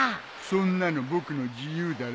そんなの僕の自由だろ。